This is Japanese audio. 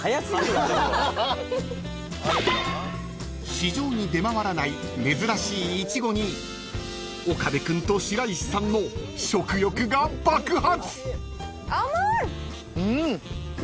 ［市場に出回らない珍しいいちごに岡部君と白石さんの食欲が爆発］